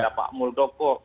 ada pak muldoko